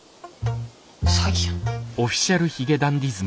詐欺やん。